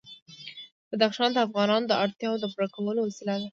بدخشان د افغانانو د اړتیاوو د پوره کولو وسیله ده.